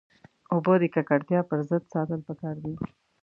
اوبه د ککړتیا پر ضد ساتل پکار دي.